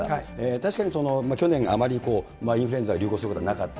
確かに去年があまりインフルエンザは流行することがなかった。